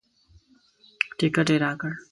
ټکټ یې راکړ.